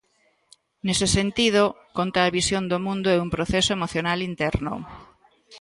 Nese sentido, conta a visión do mundo e un proceso emocional interno.